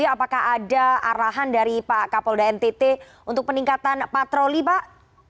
apakah ada arahan dari pak kapolda ntt untuk peningkatan patroli pak